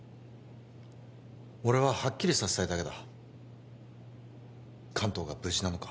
俺ははっきりさせたいだけだ関東が無事なのか